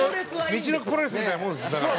みちのくプロレスみたいなものですだから。